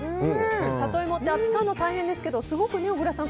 サトイモって扱うのは大変ですけど小倉さん